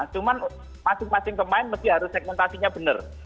cuma masing masing pemain harus segmentasinya benar